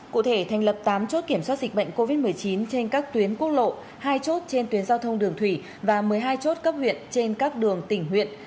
cụ thể thành lập tám chốt kiểm soát dịch bệnh covid một mươi chín trên các tuyến quốc lộ hai chốt trên tuyến giao thông đường thủy và một mươi hai chốt cấp huyện trên các đường tỉnh huyện